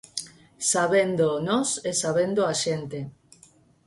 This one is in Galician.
Sabéndoo nós e sabéndoo a xente.